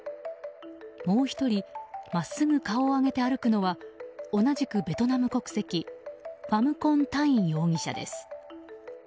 もう１人真っすぐ顔を上げて歩くのは同じくベトナム国籍ファム・コン・タイン容疑者です。